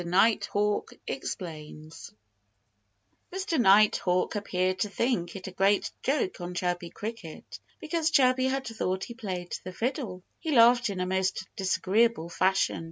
NIGHTHAWK EXPLAINS Mr. Nighthawk appeared to think it a great joke on Chirpy Cricket, because Chirpy had thought he played the fiddle. He laughed in a most disagreeable fashion.